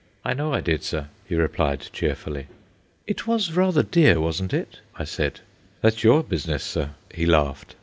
"I know I did, sir," he replied, cheerfully. "It was rather dear, wasn't it?" I said. "That's your business, sir," he laughed.